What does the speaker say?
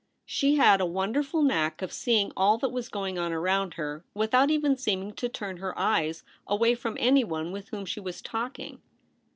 She had a wonderful knack of seeing all that was going on around her without even seeming to turn her eyes away from anyone with whom she was talk ing.